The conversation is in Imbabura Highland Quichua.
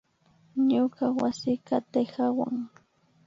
Ñuka wasikan tikawan